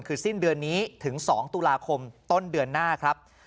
คือสิ้นเดือนนี้ถึง๒ตุลาคมต้นเดือนหน้าครับ